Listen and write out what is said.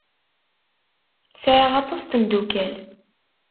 Sɛiɣ aṭas n tmeddukal.